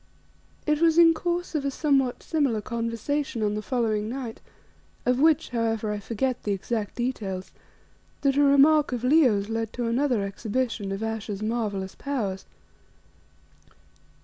It was in course of a somewhat similar conversation on the following night, of which, however, I forget the exact details, that a remark of Leo's led to another exhibition of Ayesha's marvellous powers.